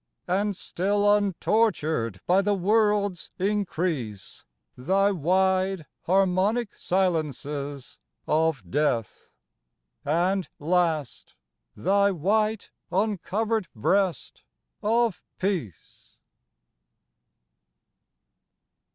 And still untortured by the world's increase, Thy wide, harmonic silences of death ; And last thy white uncovered breast of peace.